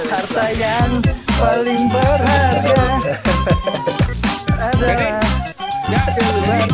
harta yang paling berharga